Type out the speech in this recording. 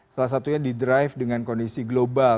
salah satunya di drive dengan kondisi global